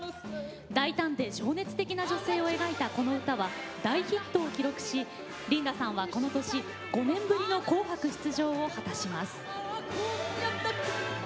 大胆で情熱的な女性を描いたこの歌は、大ヒットを記録しリンダさんはこの年、５年ぶりの「紅白」出場を果たします。